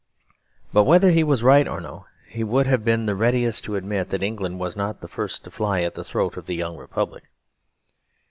But whether he was right or no, he would have been the readiest to admit that England was not the first to fly at the throat of the young Republic.